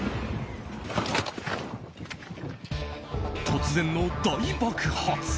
突然の大爆発。